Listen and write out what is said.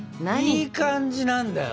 いい感じなんだよな。